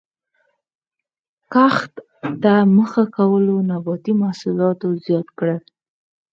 کښت ته مخه کولو نباتي محصولات زیات کړل